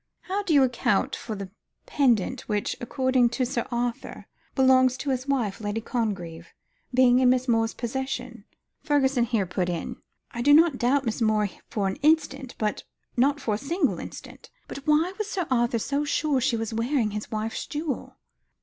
"How do you account for the pendant which, according to Sir Arthur, belongs to his wife, Lady Congreve, being in Miss Moore's possession," Fergusson here put in. "I do not doubt Miss Moore for an instant not for a single instant but why was Sir Arthur so sure she was wearing his wife's jewel?"